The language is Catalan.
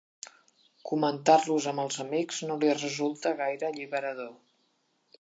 Comentar-los amb els amics no li resulta gaire alliberador.